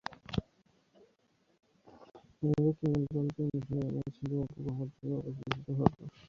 একটি কিংবদন্তি অনুসারে, এই নাচ হিন্দু মহাকাব্য মহাভারত যুগেও পরিবেশিত হত।